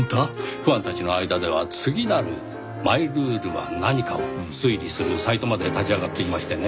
ファンたちの間では次なるマイルールは何かを推理するサイトまで立ち上がっていましてね。